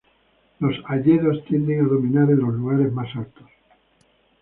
Los hayedos tienden a dominar en los lugares más altos.